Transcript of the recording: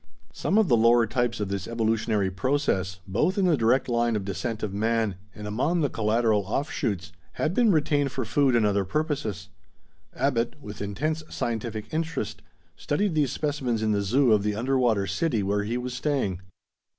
Some of the lower types of this evolutionary process, both in the direct line of descent of man, and among the collateral offshoots, had been retained for food and other purposes. Abbot, with intense scientific interest, studied these specimens in the zoo of the underwater city where he was staying.